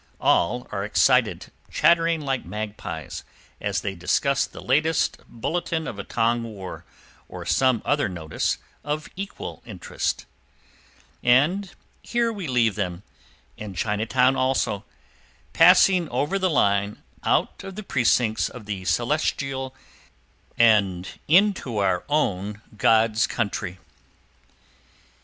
All are excited, chattering like magpies, as they discuss the latest bulletin of a Tong war, or some other notice of equal interest; and here we leave them, and Chinatown also, passing over the line out of the precincts of the Celestial, and into our own "God's country."